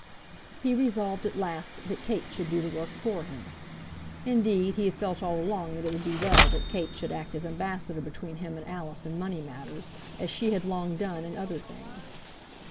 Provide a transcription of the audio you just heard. He resolved at last that Kate should do the work for him. Indeed, he had felt all along that it would be well that Kate should act as ambassador between him and Alice in money matters, as she had long done in other things.